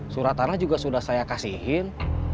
suratana juga sudah saya kasihin